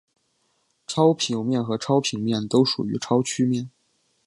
超球面和超平面都属于超曲面。